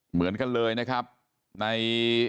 เหมือนกันเลยนะครับใน